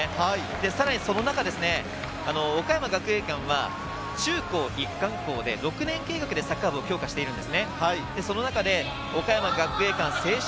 その中で岡山学芸館は中高一貫校で６年計画でサッカー部を強化しています。